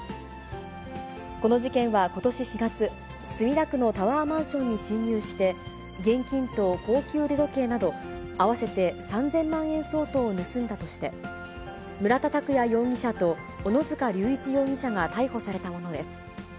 この事件はことし４月、墨田区のタワーマンションに侵入して、現金と高級腕時計など、合わせて３０００万円相当を盗んだとして、村田拓也容疑者と小野塚隆一容疑者が逮捕されたものです。